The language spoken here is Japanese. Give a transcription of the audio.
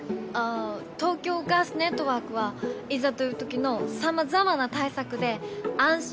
あ東京ガスネットワークはいざという時のさまざまな対策で安心・安全を守っています！